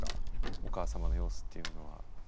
お母様の様子っていうのは。